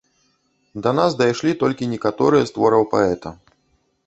Да нас дайшлі толькі некаторыя з твораў паэта.